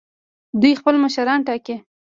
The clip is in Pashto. دوی خپل مشران ټاکي.